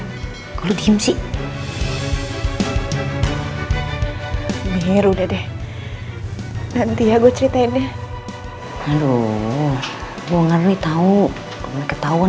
hai kalau diem sih miru dede nanti ya gue ceritain ya aduh gue ngeri tahu ketahuan